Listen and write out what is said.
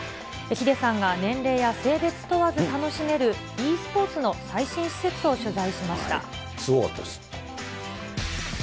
ヒデさんが年齢や性別問わず楽しめるｅスポーツの最新施設を取材ＲＥＤ°ＴＯＫＹＯＴＯＷＥ